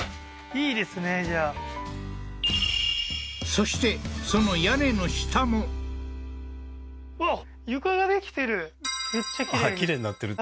そしてその屋根の下もははははっ